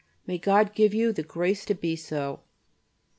May God give you the grace to be so!